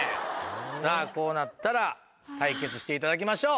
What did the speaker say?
さぁこうなったら対決していただきましょう。